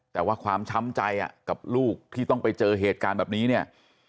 แต่ว่าความช้ำใจกับลูกที่ต้องไปเจอเหตุการณ์แบบนี้เนี่ย